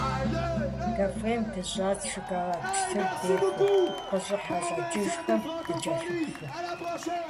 Кафем дыщӀэст, шоколад пщтыр дефэу, къыщӏыхьэ-щӏэкӏыжхэм дакӀэлъыплъу.